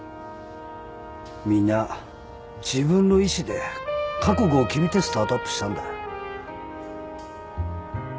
みんな自分の意思で覚悟を決めてスタートアップしたんだ。